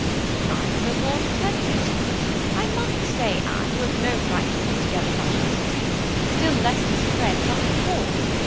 " Neither will Lord Teviot. I must say, Anne, you have no right to put together such histories ; still less to spread such reports.